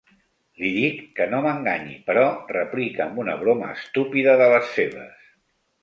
Li dic que no m'enganyi, però replica amb una broma estúpida de les seves.